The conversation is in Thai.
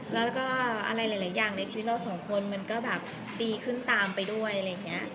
แล้วก็อะไรหลายอย่างในชีวิตเราสองคนมันก็แบบดีขึ้นตามไปด้วย